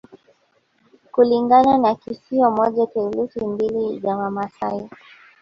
Kulingana na kisio moja theluthi mbili za Wamaasai